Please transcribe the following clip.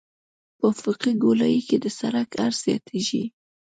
په افقي ګولایي کې د سرک عرض زیاتیږي